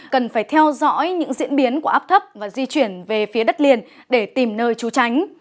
cần phải theo dõi những diễn biến của áp thấp và di chuyển về phía đất liền để tìm nơi trú tránh